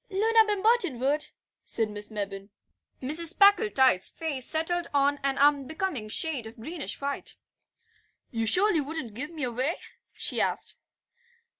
"Loona Bimberton would," said Miss Mebbin. Mrs. Packletide's face settled on an unbecoming shade of greenish white. "You surely wouldn't give me away?" she asked.